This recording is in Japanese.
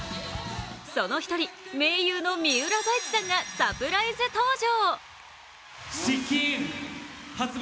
その１人、盟友の三浦大知さんがサプライズ登場。